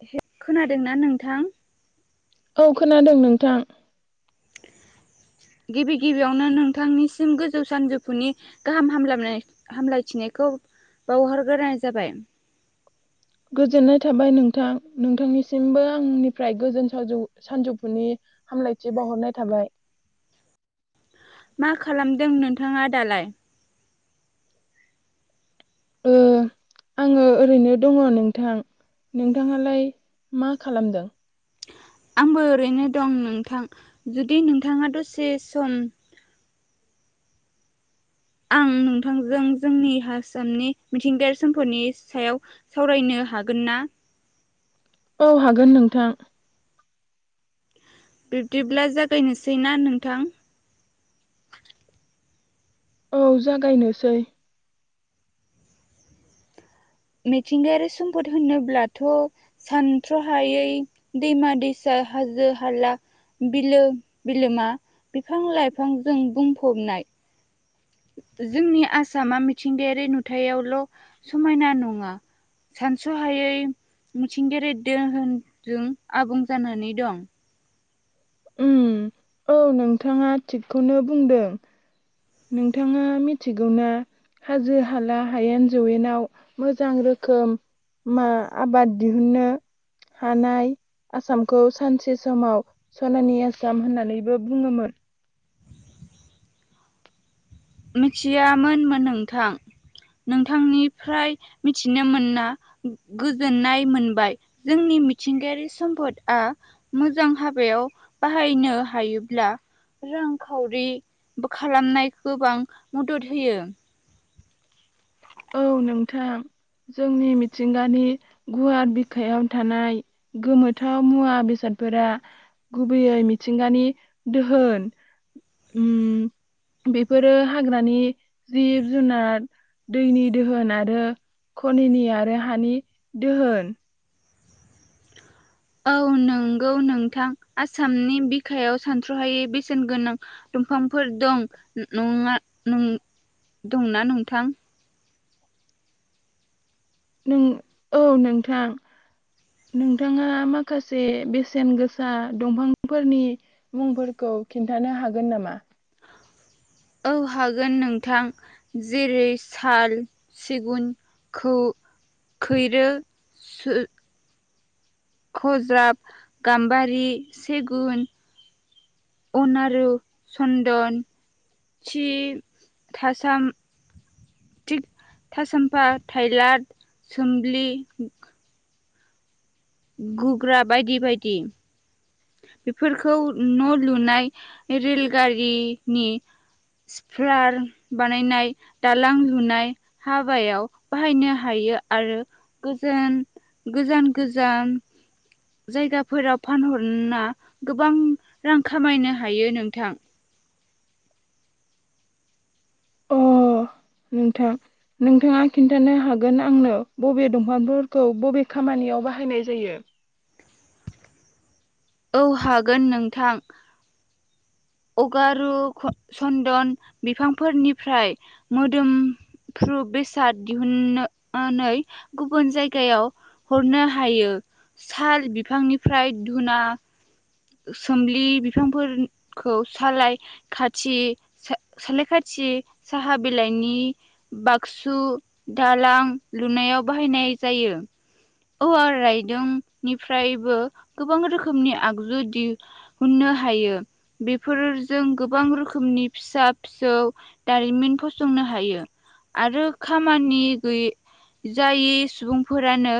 [unintelligible] खोनादोंना नोंथां? औ खोनादों नोंथां। गिबि गिबियावनो नोंथांनिसिम गोजौ सानजौफुनि गाहाम हामलाय हामलायथिनायखौ बावहरग्रोनाय जाबाय। गोजोननाय थाबाय नोंथां। नोंथांनिसिमबो आंनिफ्राय गोजोन साजौ -सानजौफुनि हामलायथि बावहरनाय थाबाय। मा खालामदों नोंथाङा दालाय? ओ आङो ओरैनो दङ नोंथां नोंथाङालाय मा खालामदों? आंबो ओरैनो दं नोंथां जुदि नोंथाङा दसे सम आं नोंथांजों जोंनि आसामनि मिथिंगायारि सम्फदनि सायाव सावरायनो हागोन ना? औ हागोन नोंथां। बिब्दिब्ला जागायनोसै ना नोंथां? औ जागायनोसै। मिथिंगायारि सम्पद होनोब्लाथ सानथ्रहायै दैमा दैसा हाजो हाला बिलो बिलोमा बिफां लाइफांजों बुंफबनाय जोंनि आसामा मिथिंगायारि नुथायावल समायना नङा सानसहायै मिथिंगायारि दोहोनजों आबुं जानानै दं। ओम औ नोंथाङा थिगखौनो बुंदो। नोंथाङा मिथिगौना हाजो हाला हायेन जौवेनाव मोजां रोखोम मा आबाद दिहुन्नो हानाय आसामखौ सानसे समाव सनानि आसाम होननानैबो बुङोमोन। मिथियामोनमोन नोंथां नोंथांनिफ्राय मिथिनो मोनना गोजोननाय मोनबाय। जोंनि मिथिंगायारि सम्पदआ मोजां हाबायाव बाहायनो हायोब्ला रांखावरि खालामनाय गोबां मदद होयो। औ नोंथां जोंनि मिथिंगानि गुवार बिखायाव थानाय गोमोथाव मुवा बेसादफोरा गुबैयै मिथिंगानि दोहोन उम बेफोरो हाग्रानि जिब जुनार दैनि दोहोन आरो खनिनि आरो हानि दोहोन। औ नंगौ नोंथां आसामनि बिखायाव सानथ्रहायै बेसेन गोनां दंफांफोर दं नङा दंना नोंथां? नों औ नोंथां नोंथाङा माखासे बेसेन गोसा दंफांफोरनि मुंफोरखौ खिन्थानो हागोन नामा? औ हागोन नोंथां जेरै साल सिगुनखौ खैरो सु खज्राब गाम्बारि सेगुन उनारु सन्दन थि थासाम थिग थासामफा थाइलड सोमलि गुग्रा बायदि बायदि बेफोरखौ न लुनाय रेलगारिनि सप्लार बानायनाय दालां लुनाय हाबायाव बाहायनो हायो आरो गोजोन गोजान गोजान जायगाफोराव फानहर ना गोबां रां खामायनो हायो नोंथां। अ नोंथां नोंथाङा खिन्थानो हागोन आंनो बबे दंफांफोरखौ बबे खामानियाव बाहायनाय जायो। औ हागोन नोंथां। अगारु सन्दन बिफांफोरनिफ्राय मोदोमफ्रु बेसाद दिहुनानै गुबुन जायगायाव हरनो हायो साल बिफांनिफ्राय धुना सोमलि बिफांफोरखौ सलाय खाथि सलाय खाथि साहा बिलाइनि बाक्सु दालां लुनायाव बाहायनाय जायो औवा रायदोंनिफ्रायबो गोबां रोखोमनि आगजु दिहुननो हायो। बेफोरजों गोबां रोखोमनि फिसा फिसौ दारिमिन फसंनो हायो आरो खामानि गैयै जायै सुबुंफोरानो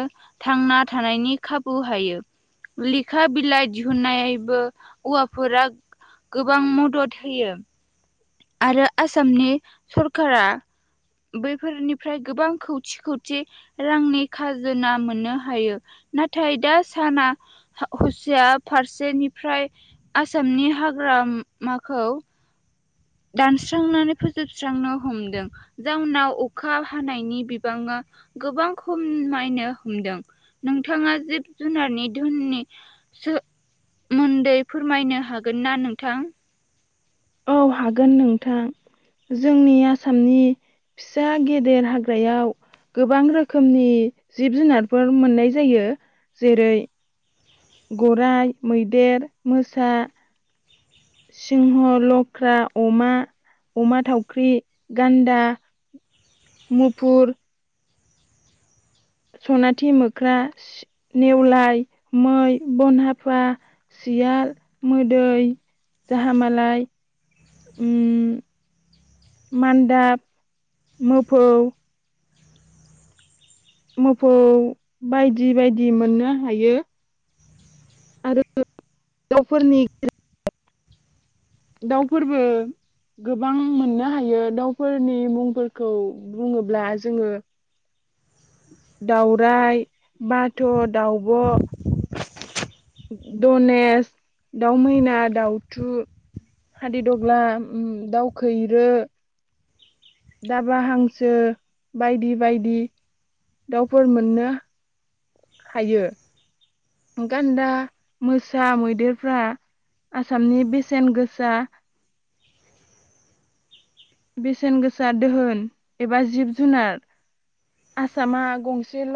थांना थानायनि खाबु हायो। लेखा बिलाइ दिहुनन्नाय नायबो औवाफोरा गोबां मदद होयो। आरो आसामनि सरकारा बैफोरनिफ्राय गोबां खौथि खौथि रांनि खाजोना मोननो हायो। नाथाय दा साना हुसिया फारसेनिफ्राय आसामनि हाग्रामाखौ दानस्रांनानै फोजोबस्रांनो हमदों। जाउनाव अखा हानायनि बिबाङा गोबां खमायनो हमदों। नोंथाङा जिब जुनारनि धुननि सोमोन्दै फोरमायनो हागोन ना नोंथां? औ हागोन नोंथां जोंनि आसामनि फिसा गेदेर हाग्रायाव गोबां रोखोमनि जिब जुनारफोर मोननाय जायो। जेरै गराइ मैदेर मोसा सिंह लख्रा अमा अमा थावख्रि गान्दा मुफुर सनाथि मोख्रा नेवलाय मै बनहाफा सियाल मोदै जाहामालाय उम मान्दाब मोफौ मोफौ बायदि बायदि मोननो हायो आरो [unintelligible] दाउफोरबो गोबां मोननो हायो। दाउफोरनि मुंफोरखौ बुङोब्ला जोङो दाउरायाइ बाथ' दाउब' दनेश दाउ मैना दाउथु हादिदग्ला दाउखैरो दाबा हांसो बायदि बायदि दाउफोर मोननो हायो गान्दा मोसा मैदेरफ्रा आसामनि बेसेन गोसा बेसेन गोसा दोहोन एबा जिब जुनार आसामा गंसेल'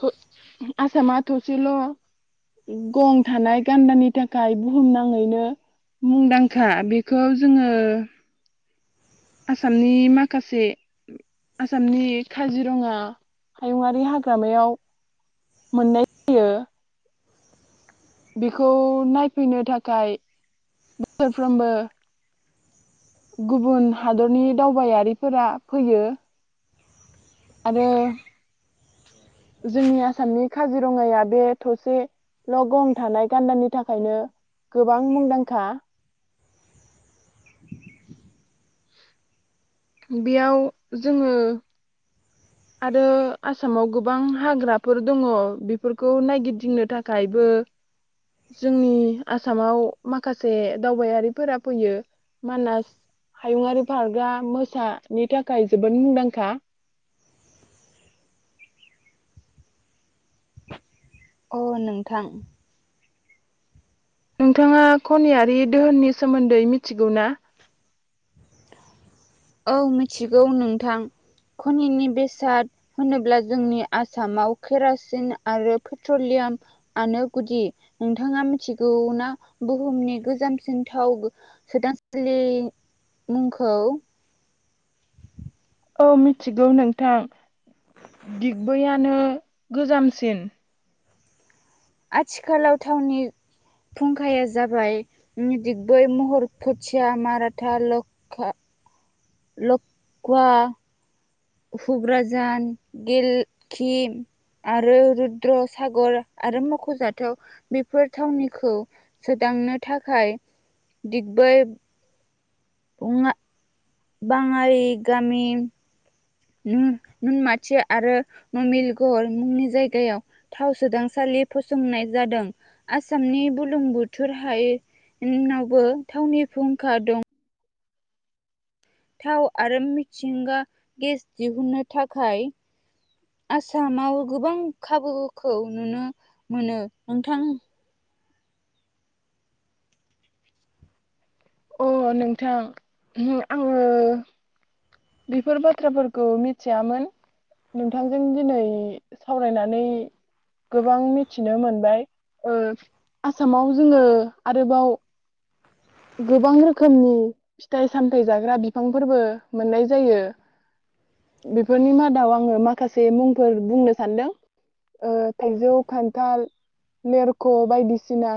थ' आसामा थसेल' गं थानाय गान्दानि थाखाय बुहुमनाङैनो मुंदांखा बेखौ जोङो आसामनि माखासे आसामनि काजिरङा हायुंआरारि हाग्रामायाव मोननाय जायो। बेखौ नायफैनो थाखाय बोफ्रोमबो गुबुन हादरनि दावबायारिफोरा फैयो आरो जोंनि आसामनि काजिरङाया बे थसेल' गं थानाय गान्दानि थाखायनो गोबां मुंदांखा बेयाव जोङो आरो आसामाव गोबां हाग्राफोर दङ बेफोरखौ नायगिदिंनो थाखायबो जोंनि आसामाव माखासे दावबायारिफोरा फैयो मानास हायुंङारि पार्कआ मोसानि थाखाय जोबोद मुंदांखा। अ नोंथां। नोंथाङा खनियारि दोहोननि सोमोन्दै मिथिगौ ना? औ मिथिगौ नोंथां खनिनि बेसाद होनोब्ला जोंनि आसामाव केरासिन आरो पेट्रलियामआनो गुदि। नोंथाङा मिथिगौना बुहुमनि गोजामसिन थाव सोदांसालि मुंखौ? औ मिथिगौ नोंथां दिग्बैयानो गोजामसिन। आथिखालाव थावनि फुंखाया जाबाय दिगबै महर खोथिया, माराठा, लखा लक्वा, हुब्राझान, गेलकिम आरो रुद्रसागर आरो मख'जाथाव बेफोर थावनिखौ सोदांनो थाखाय दिगबै बङा बाङालि गामि नुन नुनमाथि आरो नमिलगर मुंनि जायगायाव थाव सोदां सालि फसंनाय जादों आसामनि बुलुंबुथुर हाय एनावबो थावनि फुंखा दं। थाव आरो मिसिंगा गेस दिहुनन्नो थाखाय आसामाव गोबां खाबु खौ नुनो मोनो नोंथां अ नोंथां ओंहो आङो बिफोर बाथ्राफोरखौ मिथियामोन नोंथांजों दिनै सावरायनानै गोबां मिथिनो मोनबाय ओ आसामाव जोङो आरोबाव गोबां रोखोमनि फिथाइ सामथायाइ जाग्रा बिफांफोरबो मोननाय जायो बेफोरनि मादाव आङो माखासे मुंफोर बुंनो सानदों ओ थाइजौ खान्थाल लेरख' बायदिसिना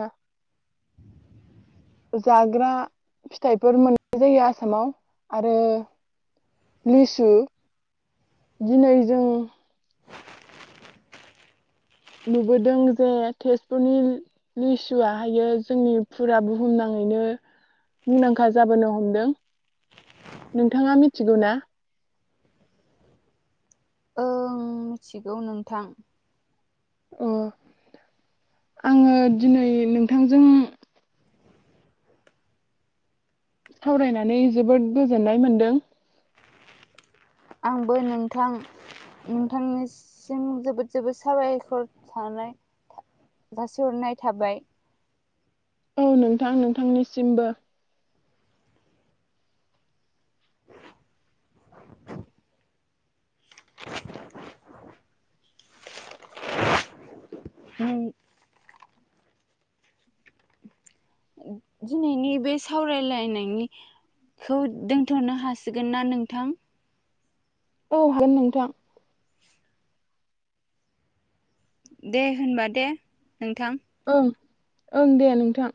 जाग्रा फिथाइफोर मोननाय जायो आसामाव आरो लिसु दिनै जों नुबोदों जे तेजपुरनि लिसुआहायो जोंनि फुरा बुहुमनाङैनो मुंदांखा जाबोनो हमदों। नोंथाङा मिथिगौ ना? ओं मिथिगौ नोंथां। अ आङो दिनै नोंथांजों सावरायनानै जोबोद गोजोननाय मोनदों। आंबो नोंथां नोंथांनिसिम जोबोद जोबोद साबायखर थानाय जासि हरनाय थाबाय। औ नोंथां नोंथांनिसिमबो। [inaudible] नि दिनैनि बे सावरायलायनायनिखौ दोनथ'नो हासिगोन ना नोंथां? औ हागोन नोंथां। दे होनबा दे नोंथां। ओं ओं दे नोंथां।